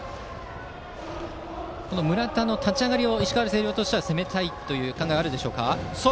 村田の立ち上がりを石川・星稜は攻めたいという考えはあるでしょうか。